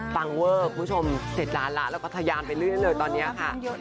ฟังเวอร์คุณผู้ชมเสร็จร้านแล้วแล้วก็ทะยานไปเรื่อยเลยตอนนี้ค่ะ